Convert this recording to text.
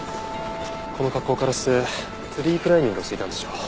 この格好からしてツリークライミングをしていたんでしょう。